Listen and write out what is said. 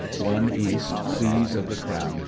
'' (1 East., Pleas of the Crown., p.